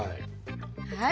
はい！